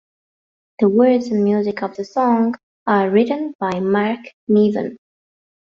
The words and music of the song are written by Mark Nevin.